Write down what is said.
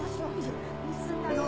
盗んだの